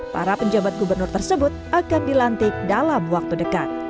para penjabat gubernur tersebut akan dilantik dalam waktu dekat